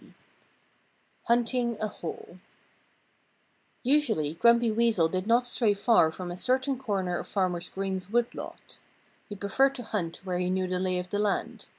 IV HUNTING A HOLE Usually Grumpy Weasel did not stray far from a certain corner of Farmer Green's wood lot. He preferred to hunt where he knew the lay of the land.